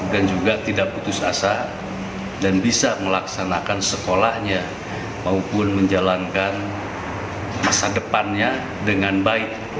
dan juga tidak putus asa dan bisa melaksanakan sekolahnya maupun menjalankan masa depannya dengan baik